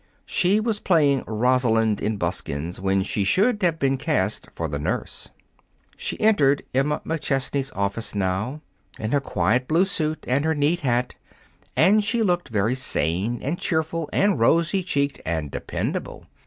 She was playing Rosalind in buskins when she should have been cast for the Nurse. She entered Emma McChesney's office, now, in her quiet blue suit and her neat hat, and she looked very sane and cheerful and rosy cheeked and dependable.